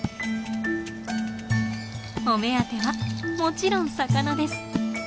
お目当てはもちろん魚です。